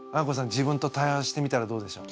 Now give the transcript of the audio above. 自分と対話してみたらどうでしょう？